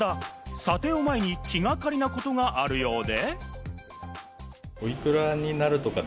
ただ、査定を前に気がかりなことがあるようで。